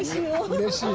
うれしい。